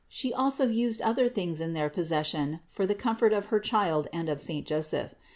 She also used other things in their possession for the comfort of her Child and of saint Joseph.